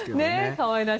可愛らしい。